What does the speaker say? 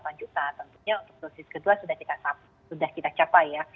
nah untuk dosis kedua sudah kita capai ya